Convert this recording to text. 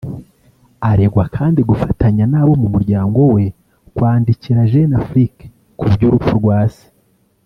Aregwa kandi gufatanya n’abo mu muryango we kwandikira JeuneAfrique kuby’urupfu rwa se